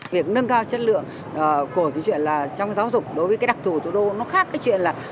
việc nâng cao chất lượng của cái chuyện là trong giáo dục đối với cái đặc thủ đô nó khác cái chuyện là